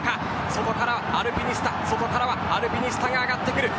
外からアルピニスタ外からはアルピニスタが上がってくる。